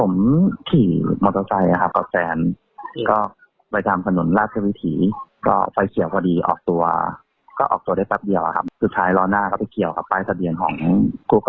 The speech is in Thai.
แน่นเจ็บอยู่กระดูกเขาไปประหักแล้วก็บวมแล้วก็มีซี่โครงหัก